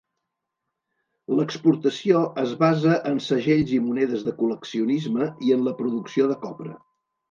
L'exportació es basa en segells i monedes de col·leccionisme, i en la producció de copra.